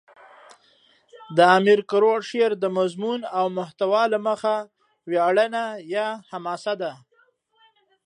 د امیر کروړ شعر دمضمون او محتوا له مخه ویاړنه یا حماسه ده.